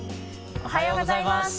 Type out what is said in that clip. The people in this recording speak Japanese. おはようございます！